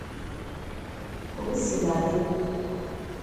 Ka o sila dị